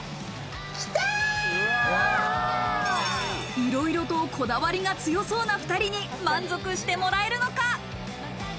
いろいろとこだわりが強そうな２人に満足してもらえるのか？